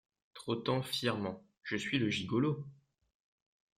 Trottant fièrement. je suis le gigolo !